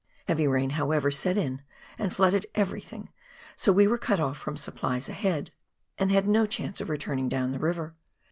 Heavy rain, however, set in and flooded everything, so we were cut off from supplies ahead, and had COOK RIVER — MAIN BRANCH. 135 no chance of returning down the river.